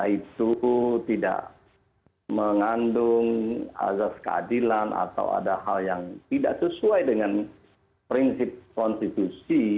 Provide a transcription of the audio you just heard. itu tidak mengandung azas keadilan atau ada hal yang tidak sesuai dengan prinsip konstitusi